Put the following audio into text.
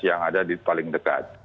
yang ada di paling dekat